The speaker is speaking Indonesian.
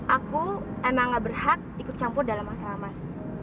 aku emang gak berhak ikut campur dalam masalah mas